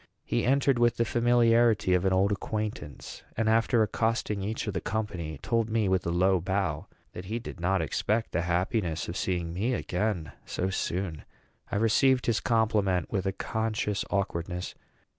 He entered with the familiarity of an old acquaintance, and, after accosting each of the company, told me, with a low bow, that he did not expect the happiness of seeing me again so soon. I received his compliment with a conscious awkwardness.